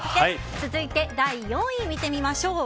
続いて第４位見てみましょう。